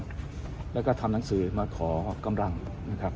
มองว่าเป็นการสกัดท่านหรือเปล่าครับเพราะว่าท่านก็อยู่ในตำแหน่งรองพอด้วยในช่วงนี้นะครับ